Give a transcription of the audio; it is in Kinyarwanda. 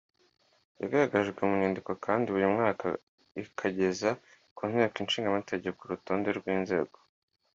yagaragajwe mu nyandiko kandi buri mwaka ikageza ku Nteko ishinga Amategeko urutonde rw inzego